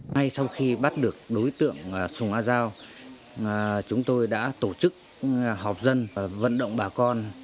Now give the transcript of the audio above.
ngay sau khi bắt được đối tượng sùng a giao chúng tôi đã tổ chức họp dân và vận động bà con